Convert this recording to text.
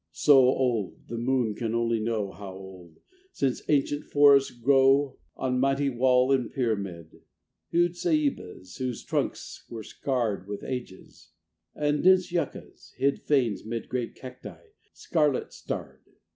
So old, the moon can only know How old, since ancient forests grow On mighty wall and pyramid. Huge ceïbas, whose trunks were scarred With ages, and dense yuccas, hid Fanes 'mid great cacti, scarlet starred.